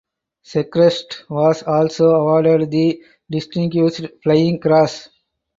Secrest was also awarded the Distinguished Flying Cross.